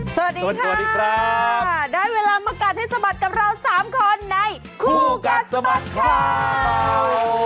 สวัสดีครับได้เวลามากัดให้สะบัดกับเรา๓คนในคู่กัดสะบัดคราว